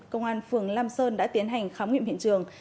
cơ quan phường lam sơn đã tiến hành khám nghiệm hiện trường